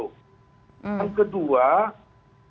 yang kedua menuntaskan